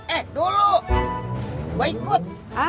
eh dulu gue ikut